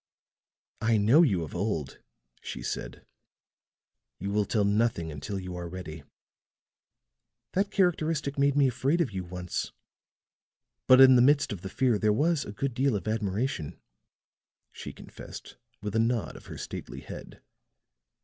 "I know you of old," she said; "you will tell nothing until you are ready. That characteristic made me afraid of you once; but in the midst of the fear there was a good deal of admiration," she confessed with a nod of her stately head.